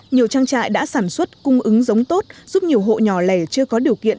nhiều trang trại đã sản xuất cung ứng giống tốt giúp nhiều hộ nhỏ lẻ chưa có điều kiện